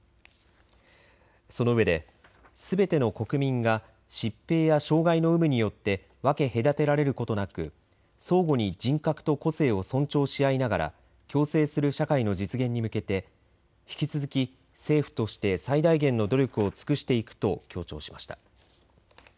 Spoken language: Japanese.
そのうえですべての国民が疾病や障害の有無によって分け隔てられることなく相互に人格と個性を尊重し合いながら共生する社会の実現に向けて引き続き政府として最大限の努力を尽くしていくと強調しました。